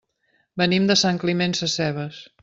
Venim de Sant Climent Sescebes.